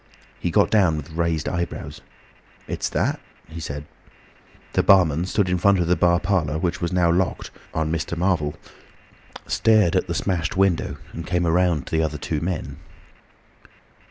He got down with raised eyebrows. "It's that," he said. The barman stood in front of the bar parlour door which was now locked on Mr. Marvel, stared at the smashed window, and came round to the two other men.